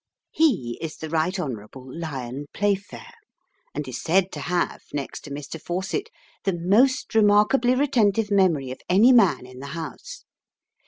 He is the Right Hon. Lyon Playfair, and is said to have, next to Mr. Fawcett, the most remarkably retentive memory of any man in the House.